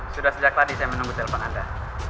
sudah sejak tadi saya menunggu telepon anda